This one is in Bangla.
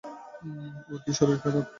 ওর কি শরীর খারাপ?